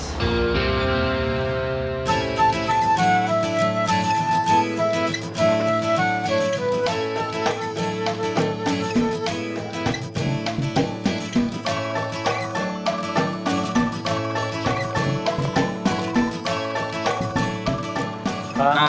bantuin sodara bisnis beras